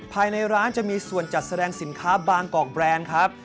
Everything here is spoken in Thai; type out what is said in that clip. ภายในร้านจะมีส่วนจัดแสดงสินค้าบางกอกแบรนด์ครับ